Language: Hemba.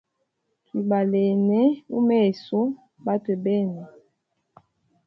Twibalene umeso batwe bene.